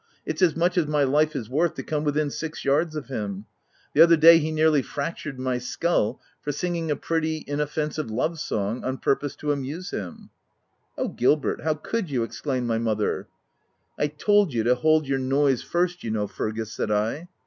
It's as much as my life is worth to come within six yards of him l 3 26 THE TENANT The other day he nearly fractured my skull for singing a pretty, inoffensive love song, on pur pose to amuse him." * Oh, Gilbert ! how could you ?" exclaimed my mother. " I told you to hold your noise first, you know Fergus," said I.